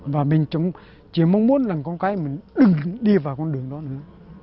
và mình chỉ mong muốn là con cái mình đừng đi vào con đường đó nữa